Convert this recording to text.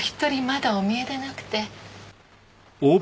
まだお見えでなくて。